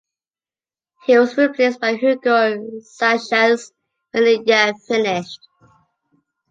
He was replaced by Hugo Sánchez when the year finished.